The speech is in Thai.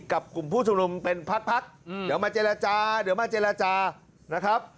กลุ่มผู้ชุมนุมเป็นพักเดี๋ยวมาเจรจาเดี๋ยวมาเจรจานะครับ